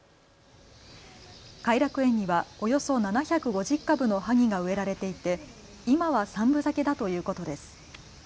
偕楽園にはおよそ７５０株のはぎが植えられていて今は３分咲きだということです。